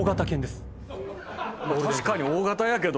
確かに大型やけども。